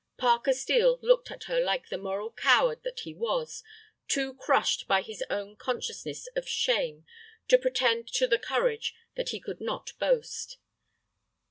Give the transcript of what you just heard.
Parker Steel looked at her like the moral coward that he was, too crushed by his own keen consciousness of shame to pretend to the courage that he could not boast.